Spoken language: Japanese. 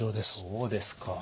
そうですか。